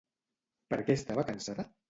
Per què estava cansada?